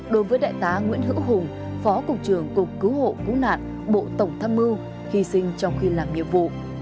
đối với đại tá nguyễn hữu hùng phó cục trưởng cục cứu hộ cứu nạn bộ tổng tham mưu hy sinh trong khi làm nhiệm vụ